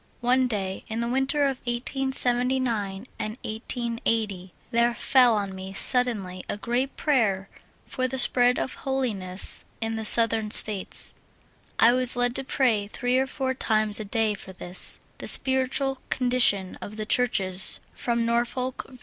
One day, in the winter of 1879 and 1880, there fell on me suddenly a great prayer for the spread of holi ness in the Southern States. I was led to pray three or four times a day for this ; the spiritual condition of the Churches from Norfolk, Va.